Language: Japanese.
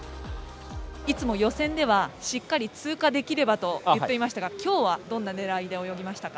いつも予選ではしっかり通過できればと言っていましたが今日はどんな狙いで泳ぎましたか？